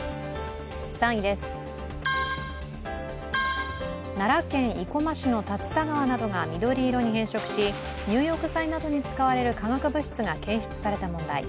３位です、奈良県生駒市の竜田川などが緑色に変色し入浴剤などに使われる化学物質が検出された問題。